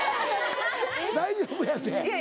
大丈夫やて。